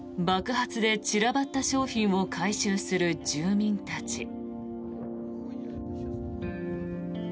爆発で散らばった商品を回収する住民たち。